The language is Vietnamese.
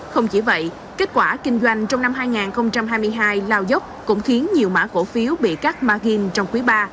không chỉ vậy kết quả kinh doanh trong năm hai nghìn hai mươi hai lao dốc cũng khiến nhiều mã cổ phiếu bị cắt margin trong quý ba